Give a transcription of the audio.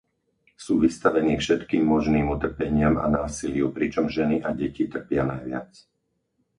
Sú vystavení všetkým možným utrpeniam a násiliu, pričom ženy a deti trpia najviac.